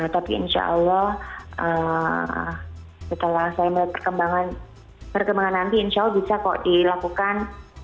tapi insya allah setelah saya melihat perkembangan nanti insya allah bisa kok dilakukan